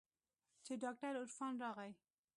چې ډاکتر عرفان راغى.